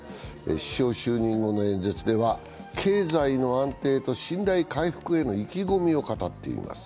首相就任後の演説では経済の安定と信頼回復への意気込みを語っています。